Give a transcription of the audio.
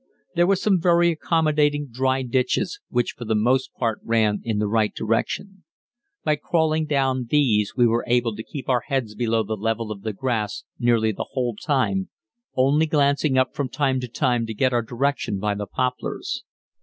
There were some very accommodating dry ditches, which for the most part ran in the right direction. By crawling down these we were able to keep our heads below the level of the grass nearly the whole time, only glancing up from time to time to get our direction by the poplars.